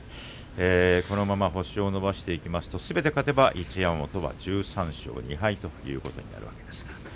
このまま星を伸ばしていきますとすべて勝てば一山本は１３勝２敗ということになるわけです。